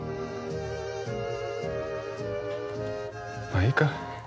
まあいいか。